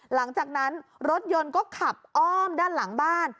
หลังจากนั้นรถยนต์ก็ขับอ้อมด้านหลังบ้าน